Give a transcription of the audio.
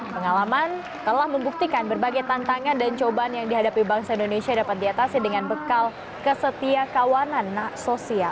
pengalaman telah membuktikan berbagai tantangan dan cobaan yang dihadapi bangsa indonesia dapat diatasi dengan bekal kesetiakawanan sosial